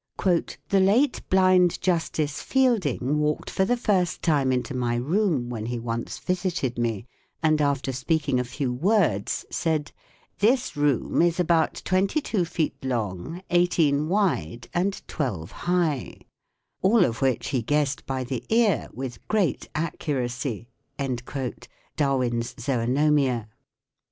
" The late blind Justice Fielding walked for the first time into my room when he once visited me, and after speaking a few words said :' This room is about 22 feet long, 18 wide, and 12 high ': all of which he guessed by the eat with great accuracy " (Darwin's Zoonomia).